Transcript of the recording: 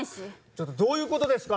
ちょっとどういうことですか！